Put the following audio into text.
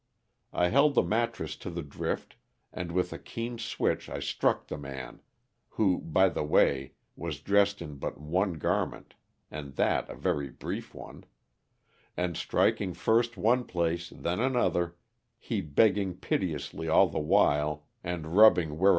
I held the mattress to the drift, and with a keen switch I struck the man— who, by the way, was dressed in but one garment, and that a very brief one — and striking first one place, then another, he begging piteously all the while and rubbing where 120 LOSS OF THE SULTAKA.